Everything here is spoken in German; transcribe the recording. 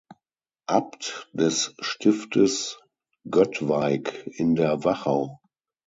Abt des Stiftes Göttweig in der Wachau.